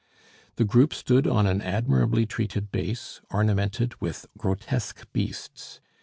The group stood on an admirably treated base, ornamented with grotesque beasts.